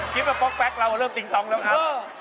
กิ๊บป๊อกแป๊กเราเริ่มติ้งต้องแล้วนะ